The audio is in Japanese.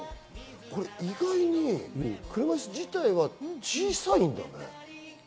これ、意外に車いす自体は小さいんだね。